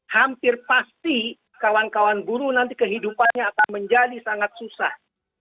hampir pasti kawan kawan buruh nanti kehidupannya akan menjadi sangat susah